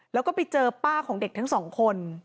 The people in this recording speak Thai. แล้วก็ไปเจอป้าของเด็กทั้งสองคน